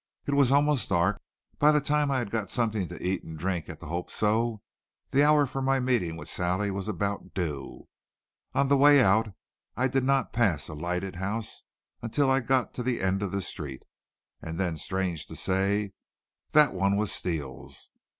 It was almost dark. By the time I had gotten something to eat and drink at the Hope So, the hour for my meeting with Sally was about due. On the way out I did not pass a lighted house until I got to the end of the street; and then strange to say, that one was Steele's.